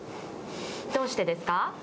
どうしてですか。